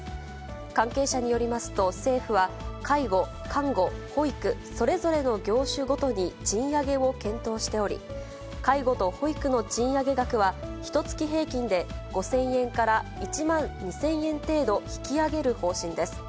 関係者によりますと、政府は介護、看護、保育、それぞれの業種ごとに賃上げを検討しており、介護と保育の賃上げ額は、ひとつき平均で５０００円から１万２０００円程度引き上げる方針です。